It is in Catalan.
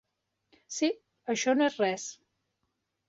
Sí, això no és res.